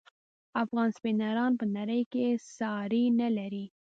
افغان سپینران په نړۍ کې ساری نلري.